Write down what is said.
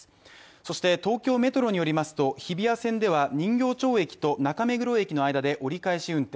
そして東京メトロによりますと、日比谷線では人形町駅と中目黒駅の間で折り返し運転。